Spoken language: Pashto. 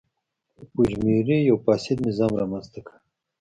فوجیموري یو فاسد نظام رامنځته کړ.